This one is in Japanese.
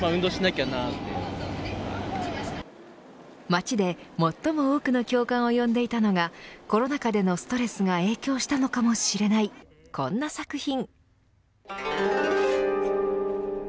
街で最も多くの共感を呼んでいたのがコロナ禍でのストレスが影響したのかもしれないこんな作品。